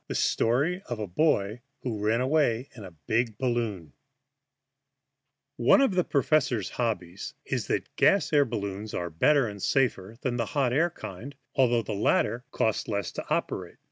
IV THE STORY OF A BOY WHO RAN AWAY IN A BIG BALLOON ONE of the professor's hobbies is that gas balloons are better and safer than the hot air kind, although the latter cost less to operate.